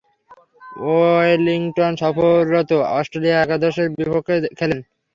ওয়েলিংটনে সফররত অস্ট্রেলিয়া একাদশের বিপক্ষে খেলেন।